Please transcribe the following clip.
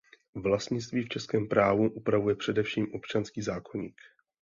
Vlastnictví v českém právu upravuje především občanský zákoník.